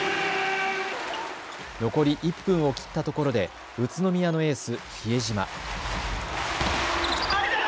残り１分を切ったところで宇都宮のエース、比江島。